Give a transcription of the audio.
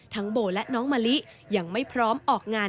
โบและน้องมะลิยังไม่พร้อมออกงาน